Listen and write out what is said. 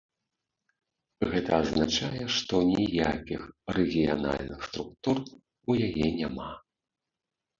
Гэта азначае, што ніякіх рэгіянальных структур у яе няма.